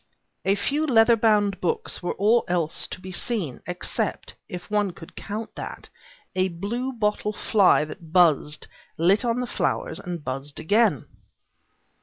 A few leather bound books were all else to be seen, except if one could count that a bluebottle fly that buzzed, lit on the flowers, and buzzed again.